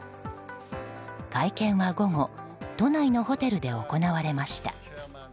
会見は午後都内のホテルで行われました。